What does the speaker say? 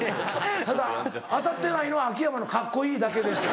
ただ当たってないのは秋山の「カッコいい」だけでした。